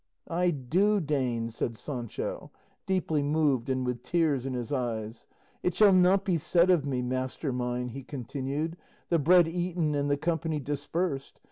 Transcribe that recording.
"I do deign," said Sancho, deeply moved and with tears in his eyes; "it shall not be said of me, master mine," he continued, "'the bread eaten and the company dispersed.